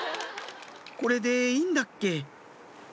「これでいいんだっけ？」